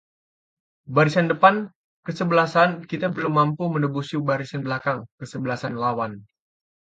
barisan depan kesebelasan kita belum mampu menembusi barisan belakang kesebelasan lawan